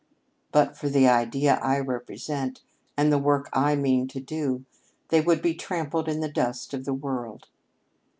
But for the Idea I represent and the work I mean to do they would be trampled in the dust of the world.